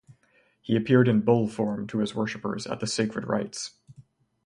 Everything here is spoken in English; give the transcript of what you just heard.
He appeared in bull form to his worshipers at the sacred rites.